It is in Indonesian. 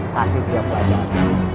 kasih dia pelajaran